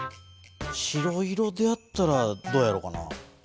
白色でやったらどうやろかな？